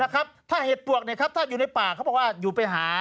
นะครับถ้าเห็ดปวกเนี่ยครับถ้าอยู่ในป่าเขาบอกว่าอยู่ไปหา